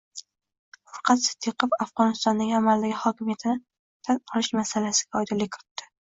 Furqat Siddiqov Afg‘onistonning amaldagi hokimiyatini tan olish masalasiga oydinlik kiritdi